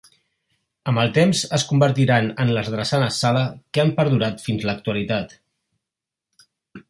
Amb el temps es convertiran en les drassanes Sala, que han perdurat fins a l'actualitat.